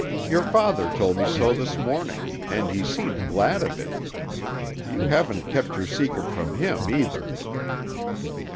Your father told me so this morning, and he seemed glad of it. You haven't kept your secret from him, either."